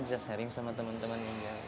bisa sharing sama teman teman